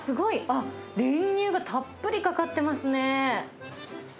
あっ、練乳がたっぷりかかってますね。